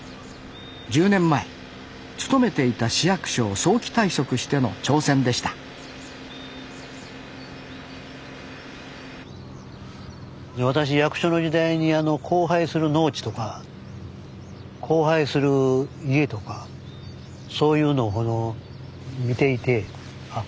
１０年前勤めていた市役所を早期退職しての挑戦でした私役所の時代に荒廃する農地とか荒廃する家とかそういうのを見ていてあっ